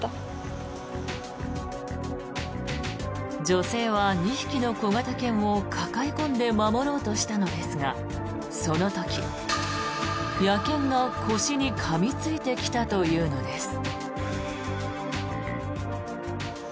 女性は２匹の小型犬を抱え込んで守ろうとしたのですがその時、野犬が腰にかみついてきたというのです。